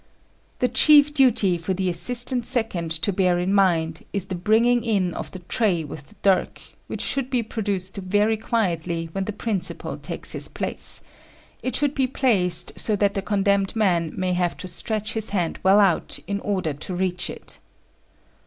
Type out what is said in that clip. The chief duty for the assistant second to bear in mind is the bringing in of the tray with the dirk, which should be produced very quietly when the principal takes his place: it should be placed so that the condemned man may have to stretch his hand well out in order to reach it.